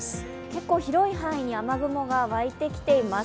結構広い範囲に雨雲が湧いてきています。